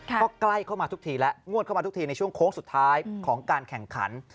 ก็ใกล้เข้ามาทุกทีแล้วงวดเข้ามาทุกทีในช่วงโค้งสุดท้ายของการแข่งขัน